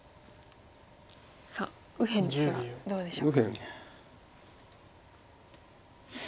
さあ右辺ですがどうでしょう？